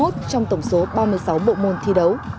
trong tổng số ba mươi sáu bộ môn thi đấu